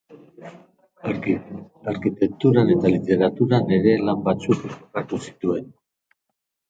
Arkitekturan eta literaturan ere lan batzuk jorratu zituen.